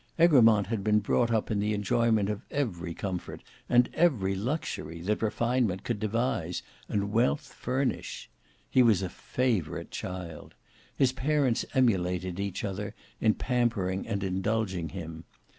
Egremont had been brought up in the enjoyment of every comfort and every luxury that refinement could devise and wealth furnish. He was a favourite child. His parents emulated each other in pampering and indulging him.